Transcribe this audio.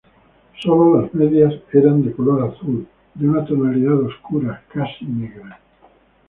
Sólo las medias eran de color azul, de una tonalidad oscura, casi negra.